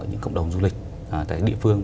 những cộng đồng du lịch tại địa phương